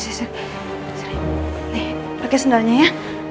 sini nih pake sendalnya ya